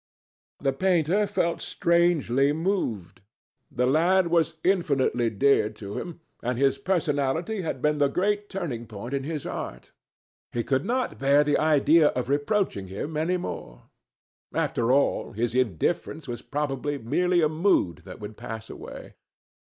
The painter felt strangely moved. The lad was infinitely dear to him, and his personality had been the great turning point in his art. He could not bear the idea of reproaching him any more. After all, his indifference was probably merely a mood that would pass away.